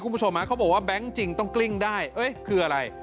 คุณผู้ชมเขาบอกว่าแบงค์จริงต้องกลิ้งได้คืออะไร